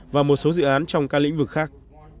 và một số dự án trong các lĩnh vực khác